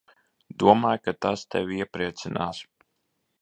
Domāju, ka tas tevi iepriecinās.